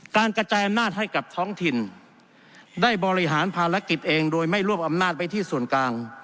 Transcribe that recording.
การกระจายอำนาจให้กับท้องถิ่นได้บริหารภารกิจเองโดยไม่รวบอำนาจไปที่ส่วนกลาง